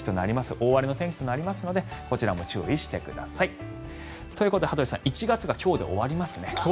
大荒れの天気となりますのでこちらも注意してください。ということで羽鳥さん今日で１月が終わりますね。